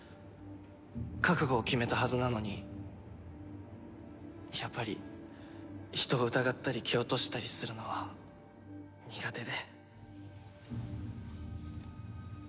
覚悟を決めたはずなのにやっぱり人を疑ったり蹴落としたりするのは苦手で。